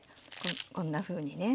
こんなふうにね。